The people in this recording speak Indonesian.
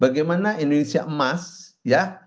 bagaimana indonesia emas ya